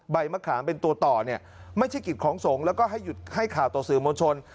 มะขามเป็นตัวต่อเนี่ยไม่ใช่กิจของสงฆ์แล้วก็ให้หยุดให้ข่าวต่อสื่อมวลชน